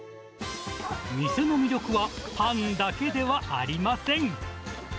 店の魅力はパンだけではありません。